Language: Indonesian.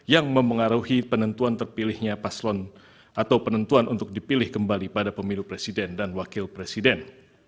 yang memengaruhi penentuan terpilihnya paslon atau penentuan untuk dipilih kembali pada pemilu presiden dan wakil presiden